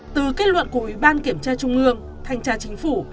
từ kết luận của ủy ban kiểm tra trung ương thanh tra chính phủ